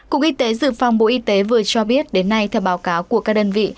cục y tế dự phòng bộ y tế vừa cho biết đến nay theo báo cáo của các đơn vị